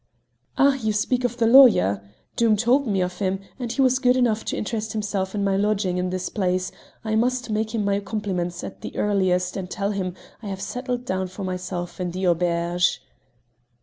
"Ah! you speak of the lawyer: Doom told me of him, and as he was good enough to interest himself in my lodging in this place, I must make him my compliments at the earliest and tell him I have settled down for myself in the auberge."